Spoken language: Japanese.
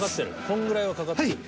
［こんぐらいはかかってる］